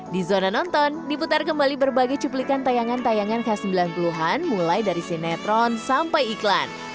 di zona nonton diputar kembali berbagai cuplikan tayangan tayangan khas sembilan puluh an mulai dari sinetron sampai iklan